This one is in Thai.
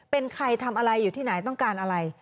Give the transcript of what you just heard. เป็นใครทำอะไรอยู่ที่ไหนต้องการอะไร